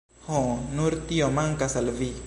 Ho, nur tio mankas al vi!